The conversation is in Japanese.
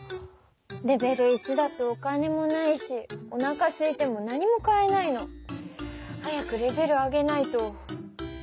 レベル１だとお金もないしおなかすいても何も買えないの。早くレベル上げないと。